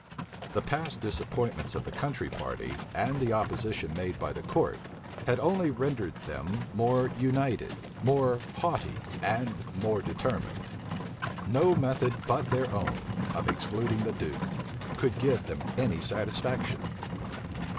The past disappointments of the country party, and the opposition made by the court, had only rendered them more united, more haughty, and more determined. No method but their own, of excluding the duke, could give them any satisfaction.